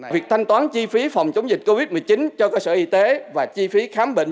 việc thanh toán chi phí phòng chống dịch covid một mươi chín cho cơ sở y tế và chi phí khám bệnh